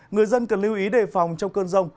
người dân cần lưu ý đề phòng trong cơn rông